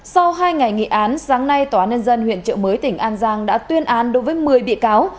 sau hai ngày nghị án sáng nay tòa án nhân dân tp hcm đã tuyên án đối với một mươi bị cáo